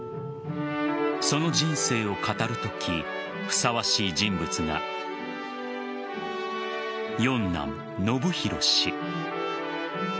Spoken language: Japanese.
その人生を語るときふさわしい人物が四男・延啓氏。